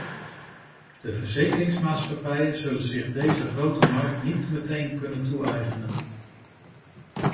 De verzekeringsmaatschappijen zullen zich deze grote markt niet meteen kunnen toe-eigenen.